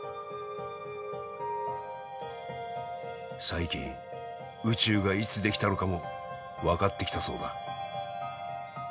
最近宇宙がいつ出来たのかも分かってきたそうだ。